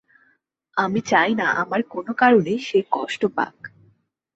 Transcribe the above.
আমি চাই না, আমার কোনো কারণে সে কষ্ট পাক।